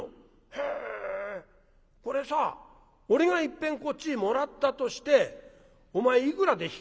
へえこれさ俺がいっぺんこっちへもらったとしてお前いくらで引き取る？」。